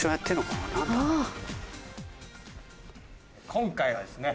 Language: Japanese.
今回はですね。